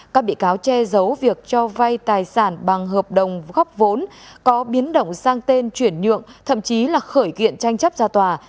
các bị cáo che giấu việc cho vay tài sản bằng hợp đồng góp vốn có biến động sang tên chuyển nhượng thậm chí là khởi kiện tranh chấp ra tòa